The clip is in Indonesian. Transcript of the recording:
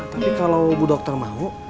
tapi kalau bu dokter mau